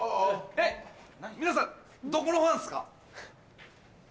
えっ皆さんどこのファンっすか？